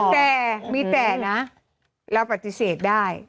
แต่มีแต่นะเราปฏิเสธได้